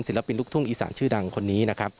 สิริฟินลุกทุ่งอีสานชื่อดังคนนี้